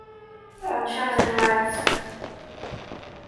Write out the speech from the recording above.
Он чем занимается?